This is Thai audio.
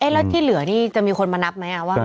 แล้วที่เหลือนี่จะมีคนมานับไหมว่า